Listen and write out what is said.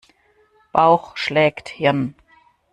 Bauch schlägt Hirn.